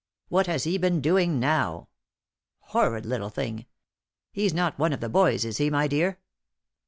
"What has he been doing now? Horrid little thing! He's not one of the boys, is he, my dear?"